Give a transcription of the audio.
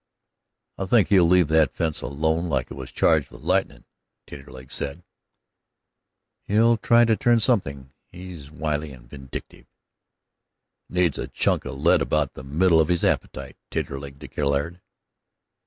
"I think he'll leave that fence alone like it was charged with lightnin'," Taterleg said. "He'll try to turn something; he's wily and vindictive." "He needs a chunk of lead about the middle of his appetite," Taterleg declared.